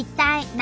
何？